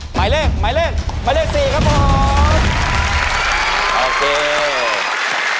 หมายเลขหมายเลข๔ครับผม